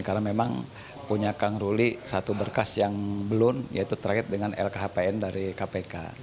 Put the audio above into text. karena memang punya kang ruli satu berkas yang belum yaitu terkait dengan lkhpn dari kpk